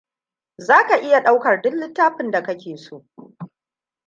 Za ka iya daukar duk littafin da ka ke so.